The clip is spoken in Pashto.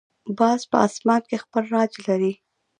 باز په آسمان کې خپل راج لري